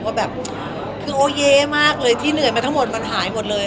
ว่าแบบคือโอเคมากเลยที่เหนื่อยมาทั้งหมดมันหายหมดเลย